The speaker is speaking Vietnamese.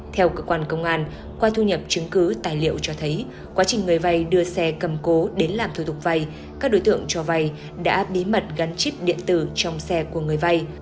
theo cơ quan công an qua thu nhập chứng cứ tài liệu cho thấy quá trình người vay đưa xe cầm cố đến làm thủ tục vay các đối tượng cho vay đã bí mật gắn chip điện tử trong xe của người vay